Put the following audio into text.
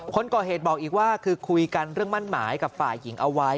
คนก่อเหตุบอกอีกว่าคือคุยกันเรื่องมั่นหมายกับฝ่ายหญิงเอาไว้